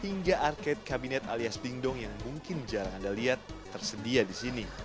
hingga arcade kabinet alias ding dong yang mungkin jarang anda lihat tersedia di sini